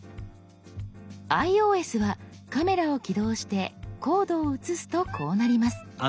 ｉＯＳはカメラを起動してコードを写すとこうなります。